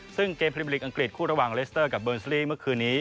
ซึ่งเกมพรีมลิกอังกฤษคู่ระหว่างเลสเตอร์กับเบอร์ซีรีส์เมื่อคืนนี้